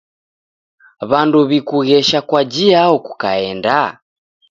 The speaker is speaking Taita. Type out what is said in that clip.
W'andu w'ikughesha kwa jiao kukaenda?